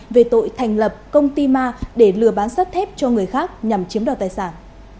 về tội thành lập công ty ma để lừa bán sắt thép cho người khác nhằm chiếm đoạt tài sản